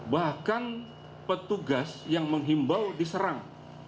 bahkan petugas yang menghimbau diserang